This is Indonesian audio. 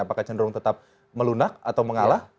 apakah cenderung tetap melunak atau mengalah